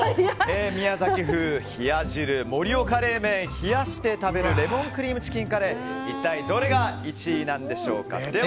宮崎風冷や汁、盛岡冷麺冷やして食べるレモンクリームチキンカレー一体、どれが１位なんでしょうか。